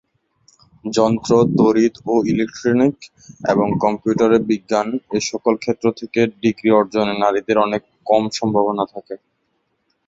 যন্ত্র, তড়িৎ ও ইলেক্ট্রনিক এবং কম্পিউটার বিজ্ঞান এসকল ক্ষেত্র থেকে ডিগ্রী অর্জনে নারীদের অনেক কম সম্ভাবনা থাকে।